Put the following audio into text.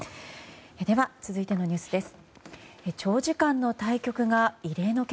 では続いてのニュースです。